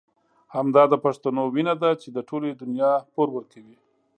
همدا د پښتنو وينه ده چې د ټولې دنيا پور ورکوي.